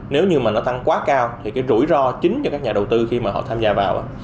nếu như mà nó tăng quá cao thì cái rủi ro chính cho các nhà đầu tư khi mà họ tham gia vào